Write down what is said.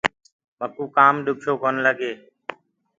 مڪوُ ڪآم ڏکيو ڪونآ لگي۔